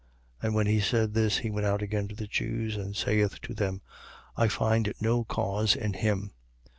And when he said this, he went out again to the Jews and saith to them: I find no cause in him.